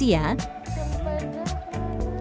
tentu makanannya sudah disediakan